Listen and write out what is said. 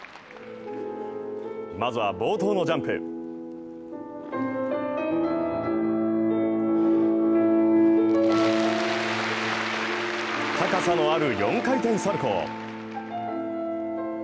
まずは冒頭のジャンプ高さのある４回転サルコウ。